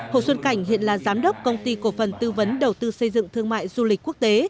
hồ xuân cảnh hiện là giám đốc công ty cổ phần tư vấn đầu tư xây dựng thương mại du lịch quốc tế